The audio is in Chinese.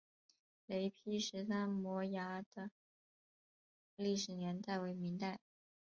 雷劈石山摩崖的历史年代为明代。